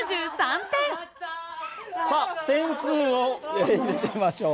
さあ点数を見てみましょう。